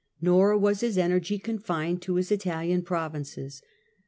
Nor was his energy confined to his Italian provinces.